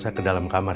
silahkan pak dokter